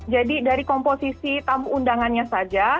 jadi dari komposisi tamu undangannya saja